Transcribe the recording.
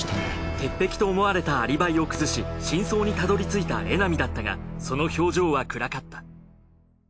鉄壁と思われたアリバイを崩し真相にたどりついた江波だったがその表情は暗かった。